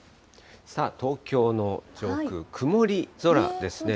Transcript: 東京の上空、曇り空ですね。